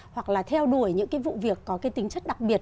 hoặc là theo đuổi những vụ việc có tính chất đặc biệt